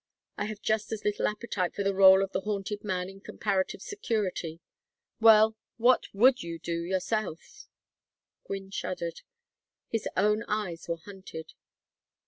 I have just as little appetite for the rôle of the haunted man in comparative security. Well, what would you do yourself?" Gwynne shuddered. His own eyes were hunted.